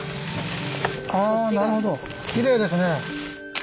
ああなるほどきれいですね。